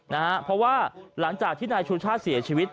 นะฮะเพราะว่าหลังจากที่นายชูชาติเสียชีวิต